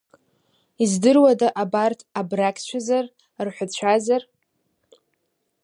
Издыруада, арҭ абрагьцәазар, рҳәцәазар?